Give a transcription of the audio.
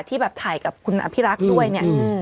ที่แบบถ่ายกับคุณอภิรักษ์ด้วยเนี่ย